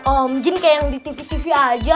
om jin kayak yang di tv tv aja